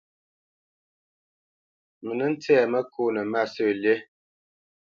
Mə nə́ ntsɛ́ məkónə masə̂ lí.